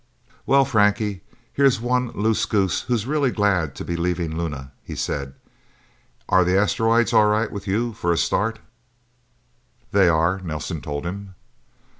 "Well, Frankie here's one loose goose who is really glad to be leaving Luna," he said. "Are the asteroids all right with you for a start?" "They are," Nelsen told him.